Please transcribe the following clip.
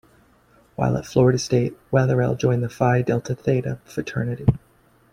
While at Florida State, Wetherell joined the Phi Delta Theta Fraternity.